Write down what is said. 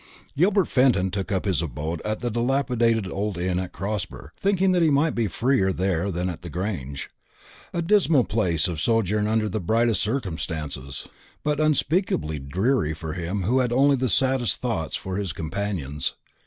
Gilbert Fenton took up his abode at the dilapidated old inn at Crosber, thinking that he might be freer there than at the Grange; a dismal place of sojourn under the brightest circumstances, but unspeakably dreary for him who had only the saddest thoughts for his companions.